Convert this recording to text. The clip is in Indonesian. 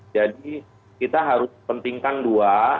jadi kita harus pentingkan dua